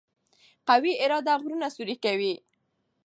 قوي اراده غرونه سوري کوي.